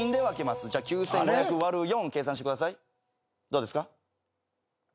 どうですか？